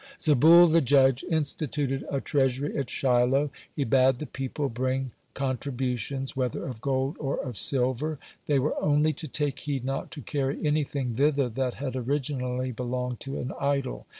Zebul, the judge, instituted a treasury at Shiloh. He bade the people bring contributions, whether of gold or of silver. They were only to take heed not to carry anything thither that had originally belonged to an idol.